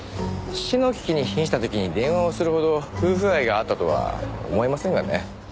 死の危機に瀕した時に電話をするほど夫婦愛があったとは思えませんがね。